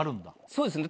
そうですね